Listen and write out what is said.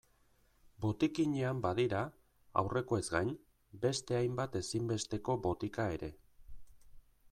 Botikinean badira, aurrekoez gain, beste hainbat ezinbesteko botika ere.